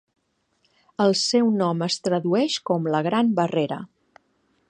El seu nom es tradueix com "la Gran Barrera".